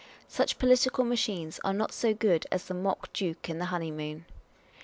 Such political machines are not so good as the Mock Duke in the Honeymoon.